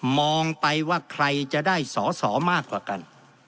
มองไปว่าใครจะได้สอสอมากกว่ากัน